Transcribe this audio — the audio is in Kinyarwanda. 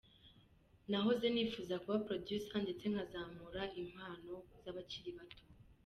Nahoze nifuza kuba Producer ndetse nkazamura impano z’abakiri bato.